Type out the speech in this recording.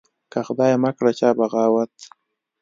که خدای مکړه چا بغاوت